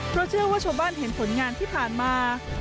เพราะเชื่อว่าชาวบ้านเห็นผลงานที่ผ่านมา